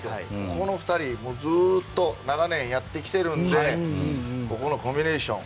この２人、ずっと長年やってきているのでここのコンビネーション。